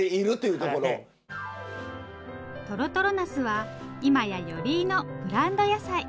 とろとろナスは今や寄居のブランド野菜。